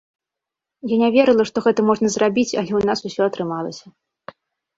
Я не верыла, што гэта можна зрабіць, але ў нас усё атрымалася.